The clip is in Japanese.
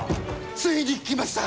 ついに来ました。